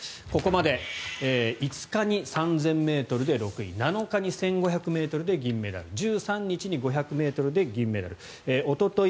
ここまで５日に３０００ｍで６位７日に１５００ｍで銀メダル１３日に５００ｍで